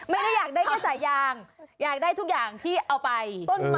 ไม่ได้อยากได้แค่สายยางอยากได้ทุกอย่างที่เอาไป